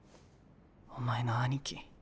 お前の兄貴